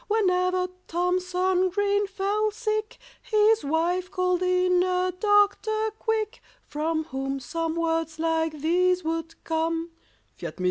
Whenever THOMSON GREEN fell sick His wife called in a doctor, quick, From whom some words like these would come— _Fiat mist.